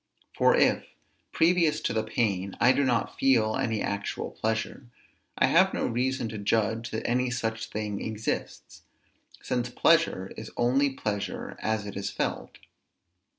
For if, previous to the pain, I do not feel any actual pleasure, I have no reason to judge that any such thing exists; since pleasure is only pleasure as it is felt.